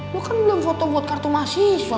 lo kan belum foto buat kartu mahasiswa